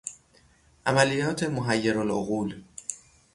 عملیات محیر العقول